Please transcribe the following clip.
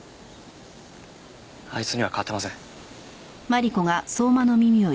あいつには勝てません。